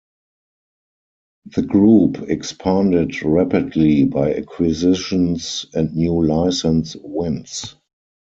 The group expanded rapidly by acquisitions and new licence wins.